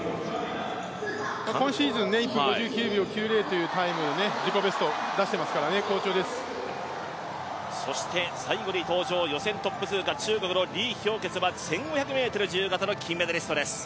今シーズン１分５９秒９０という自己ベストを出していますからそして最後に登場、予選トップ通過、中国の李氷潔は１５００ｍ自由形の金メダリストです。